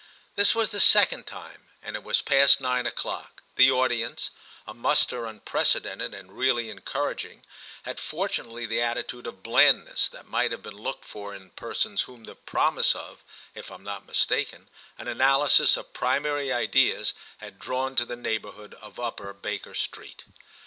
This was the second time, and it was past nine o'clock; the audience, a muster unprecedented and really encouraging, had fortunately the attitude of blandness that might have been looked for in persons whom the promise of (if I'm not mistaken) An Analysis of Primary Ideas had drawn to the neighbourhood of Upper Baker Street.